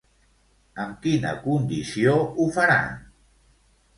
Amb quina condició ho faran?